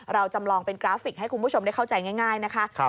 จำลองเป็นกราฟิกให้คุณผู้ชมได้เข้าใจง่ายนะคะ